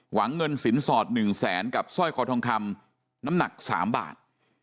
เงินสินสอด๑แสนกับสร้อยคอทองคำน้ำหนัก๓บาท